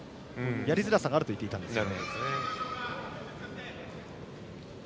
やりづらさがあると言っていました。